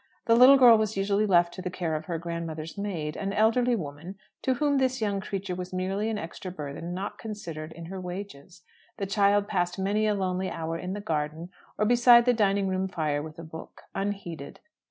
The little girl was usually left to the care of her grand mother's maid an elderly woman, to whom this young creature was merely an extra burthen not considered in her wages. The child passed many a lonely hour in the garden, or beside the dining room fire with a book, unheeded.